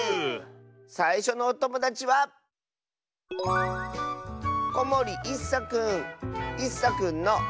さいしょのおともだちはいっさくんの。